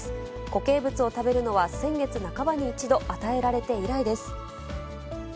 固形物を食べるのは先月半ばに一度、与えられて以来です。